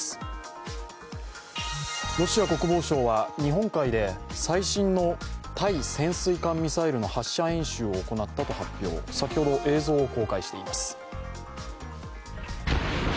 ロシア国防省は日本海で最新の対潜水艦ミサイルの発射演習を行ったと発表、先ほど映像を公開しています。